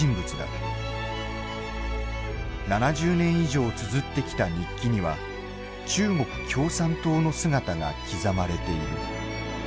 ７０年以上つづってきた日記には中国共産党の姿が刻まれている。